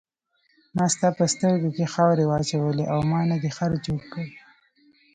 ما ستا په سترګو کې خاورې واچولې او ما نه دې خر جوړ کړ.